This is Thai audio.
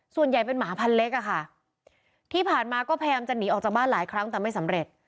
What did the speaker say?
ส่วนใหญ่เป็นหมาพันเล็กอะค่ะที่ผ่านมาก็พยายามจะหนีออกจากบ้านหลายครั้งแต่ไม่สำเร็จ